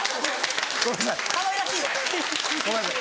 ごめんなさい。